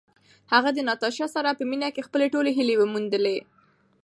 هغه د ناتاشا سره په مینه کې خپلې ټولې هیلې وموندلې.